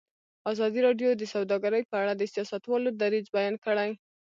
ازادي راډیو د سوداګري په اړه د سیاستوالو دریځ بیان کړی.